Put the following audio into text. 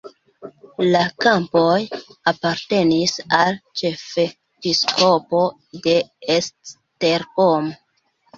La kampoj apartenis al ĉefepiskopo de Esztergom.